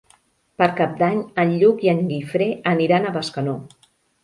Per Cap d'Any en Lluc i en Guifré aniran a Bescanó.